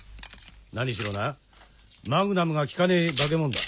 何しろなマグナムが効かねえ化け物だ。